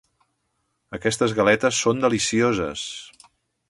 Aquestes galetes són delicioses!